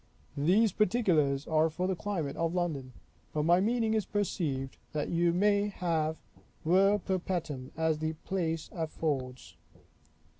These particulars are for the climate of London; but my meaning is perceived, that you may have ver perpetuum, as the place affords.